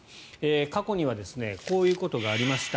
過去にはこういうことがありました。